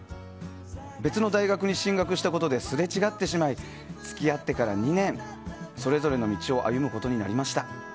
別の大学に進学したことですれ違ってしまい付き合ってから２年それぞれの道を歩むことになりました。